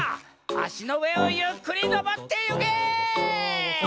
あしのうえをゆっくりのぼってゆけ！